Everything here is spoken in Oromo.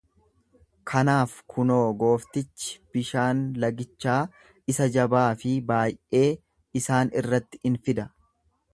Kanaaf kunoo gooftichi bishaan lagichaa isa jabaa fi baay'ee isaan irratti in fida.